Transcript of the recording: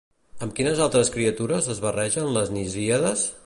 Amb quines altres criatures es barregen les Nisíades?